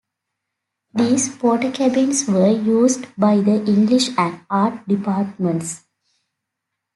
These Portakabins were used by the English and Art Departments.